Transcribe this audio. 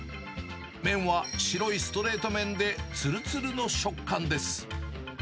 麺は白いストレート麺でつるつるの食感です。